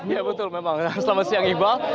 ya betul memang selamat siang iqbal